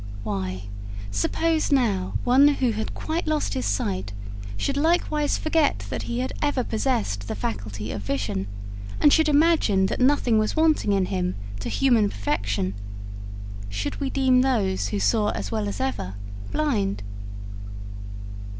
Why, suppose, now, one who had quite lost his sight should likewise forget that he had ever possessed the faculty of vision, and should imagine that nothing was wanting in him to human perfection, should we deem those who saw as well as ever blind?